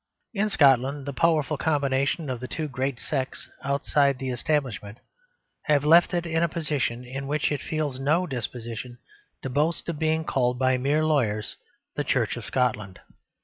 In Scotland the powerful combination of the two great sects outside the establishment have left it in a position in which it feels no disposition to boast of being called by mere lawyers the Church of Scotland.